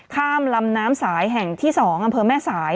ข้ามลำน้ำสายแห่งที่๒อำเภอแม่สาย